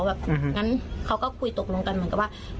แบบงั้นเขาก็คุยตกลงกันเหมือนกับว่า